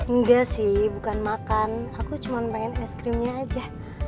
enggak sih bukan makan aku cuma pengen es krimnya aja